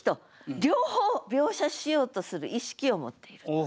両方描写しようとする意識を持っている。